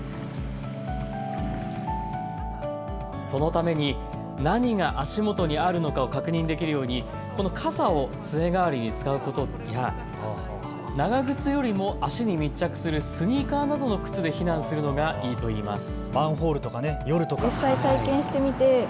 そのために何が足元にあるのかを確認できるよう傘をつえ代わりに使うことや長靴よりも足に密着するスニーカーなどの靴で避難するのがいいといいます。